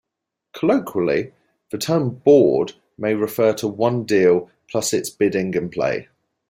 Colloquially, the term "board" may refer to one deal plus its bidding and play.